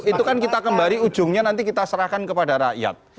itu kan kita kembali ujungnya nanti kita serahkan kepada rakyat